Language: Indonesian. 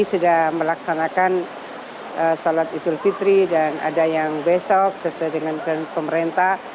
sudah melaksanakan sholat idul fitri dan ada yang besok sesuai dengan pemerintah